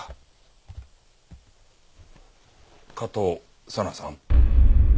加藤佐奈さん。